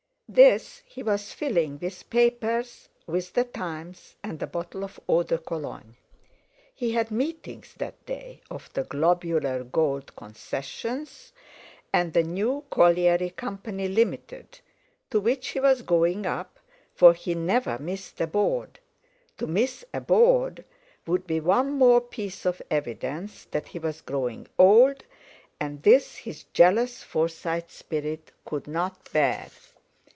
This he was filling with papers, with the Times, and a bottle of Eau de Cologne. He had meetings that day of the "Globular Gold Concessions" and the "New Colliery Company, Limited," to which he was going up, for he never missed a Board; to "miss a Board" would be one more piece of evidence that he was growing old, and this his jealous Forsyte spirit could not bear.